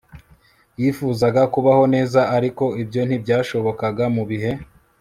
Yifuzaga kubaho neza ariko ibyo ntibyashobokaga mu bihe